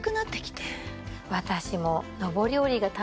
私も。